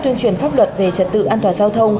tuyên truyền pháp luật về trật tự an toàn giao thông